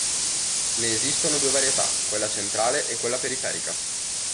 Ne esistono due varietà: quella centrale e quella periferica.